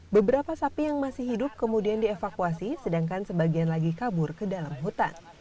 beberapa sapi yang masih hidup kemudian dievakuasi sedangkan sebagian lagi kabur ke dalam hutan